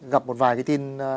gặp một vài cái tin